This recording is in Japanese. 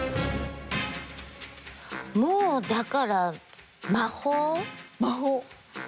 もうだから魔法。